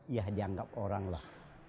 ya dianggap oranglah